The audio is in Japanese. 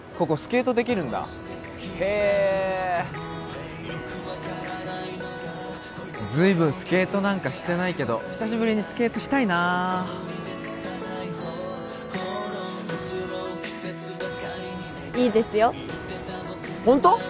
ここスケートできるんだへえ随分スケートなんかしてないけど久しぶりにスケートしたいないいですよホント？